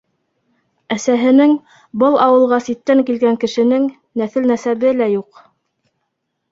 Әсәһенең, был ауылға ситтән килгән кешенең, нәҫел-нәсәбе лә юҡ.